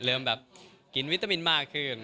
เริ่มแบบกินวิตามินมากขึ้น